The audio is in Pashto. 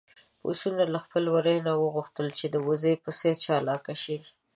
پسونو له خپل وري نه وغوښتل چې د وزې په څېر چالاک شي.